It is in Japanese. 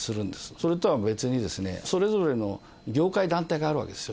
それとは別に、それぞれの業界団体があるわけですよ。